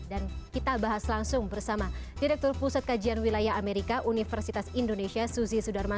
dan kita bahas langsung bersama direktur pusat kajian wilayah amerika universitas indonesia suzy sudarman